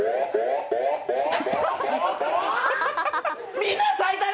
みんな、咲いたね！